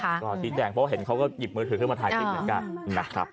ก็หรือว่าชี้แจงเพราะว่าเห็นเขาก็หยิบมือถือขึ้นมาถ่ายคลิปเหมือนกัน